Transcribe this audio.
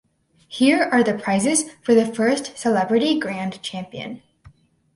Here are the prizes for the first Celebrity Grand Champion.